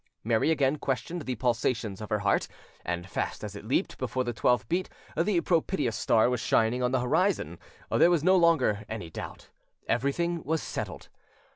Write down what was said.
Mary again questioned the pulsations of her heart, and, fast as it leaped, before the twelfth beat the propitious star was shining on the horizon: there was no longer any doubt; everything was settled.